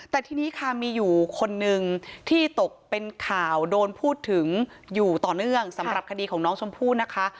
แต่ทีนี้ค่ะมีอยู่คนนึงที่ตกเป็นข่าวโดนพูดถึงอยู่ต่อเนื่องสำหรับคดีของน้องชมพู่นะคะ